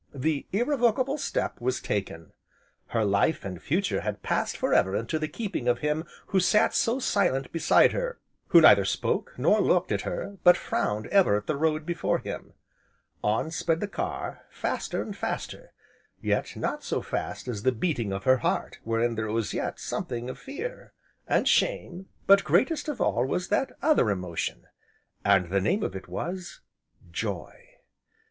the irrevocable step was taken! Her life and future had passed for ever into the keeping of him who sat so silent beside her, who neither spoke, nor looked at her, but frowned ever at the road before him. On sped the car, faster, and faster, yet not so fast as the beating of her heart wherein there was yet something of fear, and shame, but greatest of all was that other emotion, and the name of it was Joy.